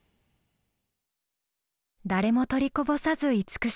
誰も取りこぼさず慈しむ。